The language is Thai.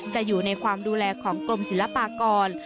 จะอยู่ในความดูแลของกรมศิลปากร